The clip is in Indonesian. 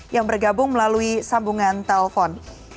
yang bergabung melalui sambungan telpon